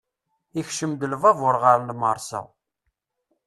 Ikcem-d lbabur ɣer lmersa.